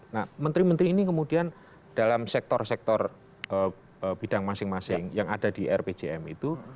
nah menteri menteri ini kemudian dalam sektor sektor bidang masing masing yang ada di rpjm itu